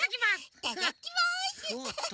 いただきます！